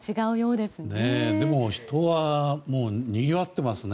でも人はにぎわっていますね。